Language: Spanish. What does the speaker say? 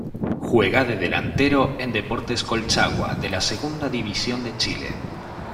Juega de delantero en Deportes Colchagua de la Segunda División de Chile.